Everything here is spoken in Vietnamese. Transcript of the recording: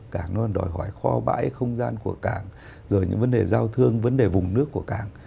cảng nó đòi hỏi kho bãi không gian của cảng rồi những vấn đề giao thương vấn đề vùng nước của cảng